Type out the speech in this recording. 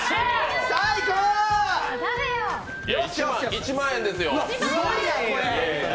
１万円ですよ。